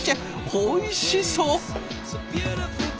おいしそう！